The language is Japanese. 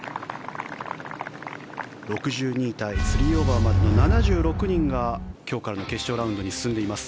６２位タイ３オーバーまでの７６人が今日からの決勝ラウンドに進んでいます。